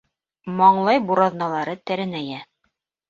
Маңлай бураҙналары тәрәнәйә.